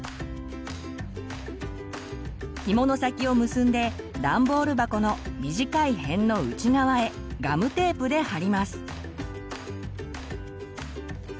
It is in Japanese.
ひもの先を結んでダンボール箱の短い辺の内側へガムテープで貼ります。